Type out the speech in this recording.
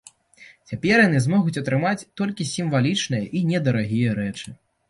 Цяпер яны змогуць атрымаць толькі сімвалічныя і недарагія рэчы.